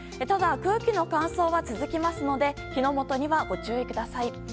ただ、空気の乾燥が続きますので火の元にはご注意ください。